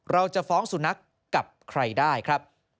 เราจะฟ้องสุนัขกับใครได้ครับ